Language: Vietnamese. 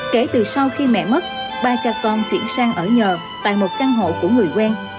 kể từ sau khi mẹ mất ba cha con chuyển sang ở nhờ tại một căn hộ của người quen